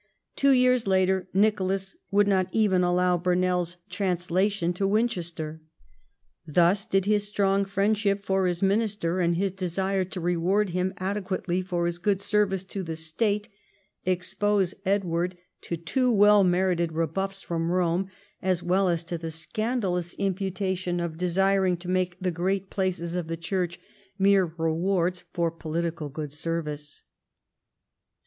Two years later Nicolas would not even allow Burnell's trans lation to Winchester. Thus did his strong friendship for his minister and his desire to reward him adequately for his good service to the State expose Edward to two 156 EDWARD I chap. well merited rebuffs from Eome, as well as to the scandalous imputation of desiring to make the great places of the Church mere rewards for political good service.